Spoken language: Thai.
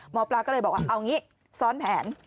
หมอปลาก็เลยบอกว่าเอางี้ซ้อนแผน